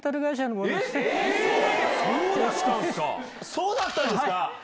そうだったんですか！